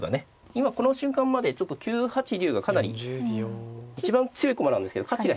今この瞬間まで９八竜がかなり一番強い駒なんですけど価値が低いので。